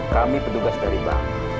kami pedugas terlibat